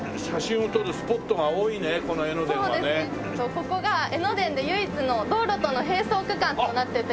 ここが江ノ電で唯一の道路との並走区間となっていて。